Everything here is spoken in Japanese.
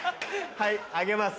はいあげます。